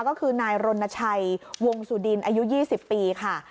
ก็คือนายรณชัยวงสุดินอายุ๒๐ปีค่ะ